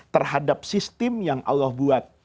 terhadap sistem yang allah buat